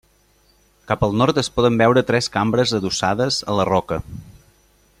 Cap al nord es poden veure tres cambres adossades a la roca.